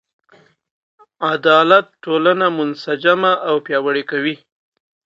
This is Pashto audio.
عدالت ټولنه منسجمه او پیاوړې کوي.